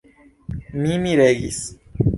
Mi miregis.